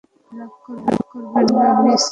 রাগ করবেন না, মিসেস কার্মোডি!